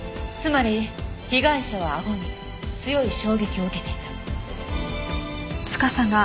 つまり被害者はあごに強い衝撃を受けていた。